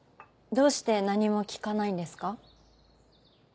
どうして何も聞かないんですか？